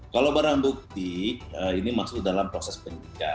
kalau barang bukti ini masuk dalam proses penyidikan